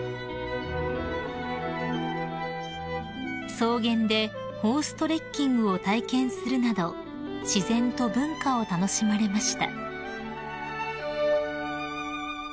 ［草原でホーストレッキングを体験するなど自然と文化を楽しまれました］